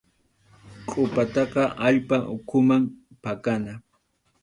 Qʼupataqa allpa ukhuman pakana.